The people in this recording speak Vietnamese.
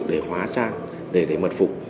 để hóa trang để mật phục